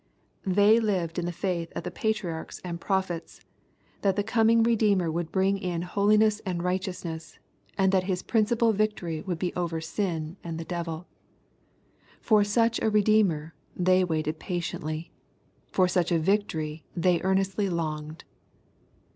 They lived in the faith of patriarchs LUKE, CHAP. 11. 75 and prophets, that the comiDg Bedeemer would bring in holiness and righteousness, and that His principal Tic tory would be over sin and the devil. For such a Bedeemer they waited patiently. For such a victory they earnestly longed.